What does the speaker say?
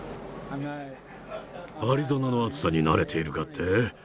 アリゾナの暑さに慣れているかって？